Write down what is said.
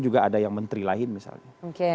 juga ada yang menteri lain misalnya